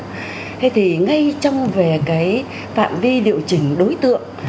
thế thì ngay trong về cái phạm vi điều chỉnh đối tượng